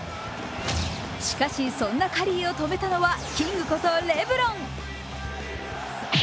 しかしそんなカリーを止めたのはキングことレブロン。